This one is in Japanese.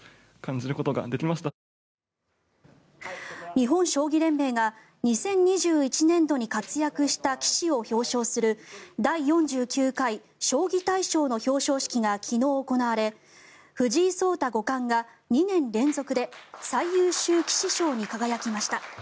日本将棋連盟が２０２１年度に活躍した棋士を表彰する第４９回将棋大賞の表彰式が昨日行われ藤井聡太五冠が２年連続で最優秀棋士賞に輝きました。